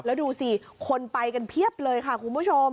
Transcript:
แล้วดูสิคนไปกันเพียบเลยค่ะคุณผู้ชม